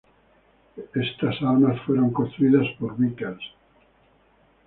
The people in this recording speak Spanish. Estas armas fueron construidas por Vickers.